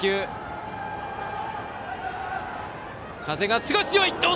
風が強い。